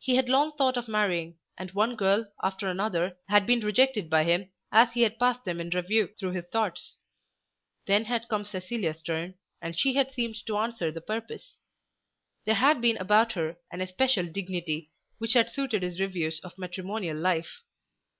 He had long thought of marrying, and one girl after another had been rejected by him as he had passed them in review through his thoughts. Then had come Cecilia's turn, and she had seemed to answer the purpose. There had been about her an especial dignity which had suited his views of matrimonial life.